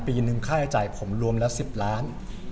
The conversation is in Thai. ปีนึงค่าใช้จ่ายผมรวมแล้ว๑๐ล้าน